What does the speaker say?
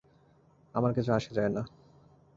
আমার কিছু আসে যায় না।